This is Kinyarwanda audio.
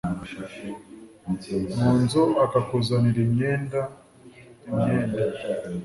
munzu akakuzanira imyenda imyenda